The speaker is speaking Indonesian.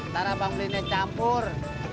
ntar abang beliin yang campur